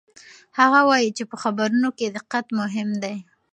هغه وایي چې په خبرونو کې دقت مهم دی.